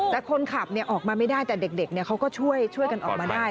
แต่คนขับออกมาไม่ได้แต่เด็กเขาก็ช่วยกันออกมาได้